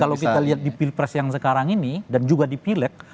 kalau kita lihat di pilpres yang sekarang ini dan juga di pileg